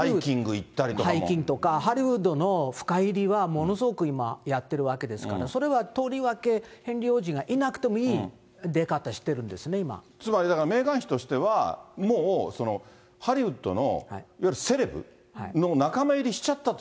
ハイキングとか、ハリウッドの深入りはものすごく今、やっているわけですから、それはとりわけヘンリー王子がいなくてもいい出方してるんですね、つまりだからメーガン妃としては、もうハリウッドのいわゆるセレブの仲間入りしちゃったと。